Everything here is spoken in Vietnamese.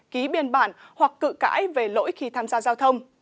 ký biên bản hoặc cự cãi về lỗi khi tham gia giao thông